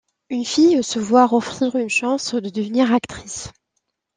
Une fille se voir offrir une chance de devenir actrice.